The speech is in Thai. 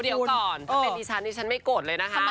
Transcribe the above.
เดี๋ยวก่อนถ้าเป็นดิฉันดิฉันไม่โกรธเลยนะคะ